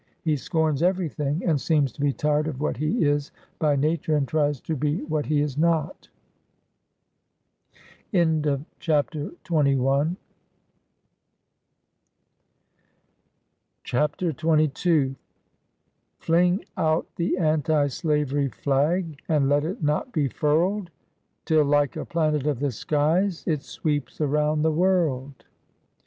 He scorns every thing, and seems to be tired of what he is by nature, and tries to be what he is not." AN AMERICAN BONDMAN. 89 CHAPTER XXII. " Fling out the an ti slavery flag, And let it not be furled, Till like a planet of the skies, It sweeps around the world